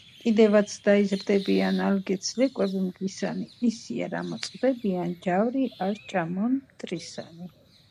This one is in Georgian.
მცირე ჯოგებად ბინადრობს უდაბნოებსა და ველებზე.